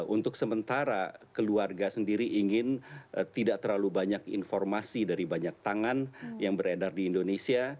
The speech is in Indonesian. untuk sementara keluarga sendiri ingin tidak terlalu banyak informasi dari banyak tangan yang beredar di indonesia